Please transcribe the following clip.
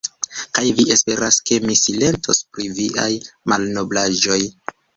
Kaj vi esperas, ke mi silentos pri viaj malnoblaĵoj!